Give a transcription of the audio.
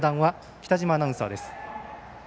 北嶋アナウンサーです。